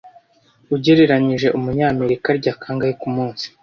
Ugereranyije Umunyamerika arya kangahe k'umunsi